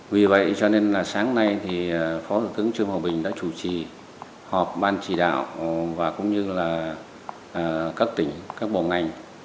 vì vậy cho nên là sáng nay thì phó thủ tướng trương hòa bình đã chủ trì họp ban chỉ đạo và cũng như là các tỉnh các bộ ngành